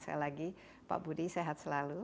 sekali lagi pak budi sehat selalu